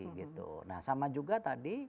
gitu nah sama juga tadi